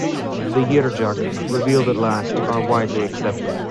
The Yherjak, revealed at last, are widely accepted.